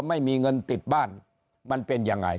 ไม่มีเงินติดบ้านมันเป็นยังไง